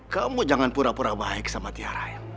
kamu jangan pura pura baik sama tiara